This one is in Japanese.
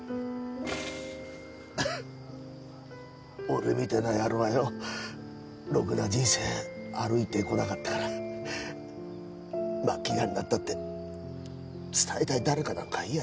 俺みてえな野郎はよろくな人生歩いてこなかったから末期がんになったって伝えたい誰かなんかいやしねえや。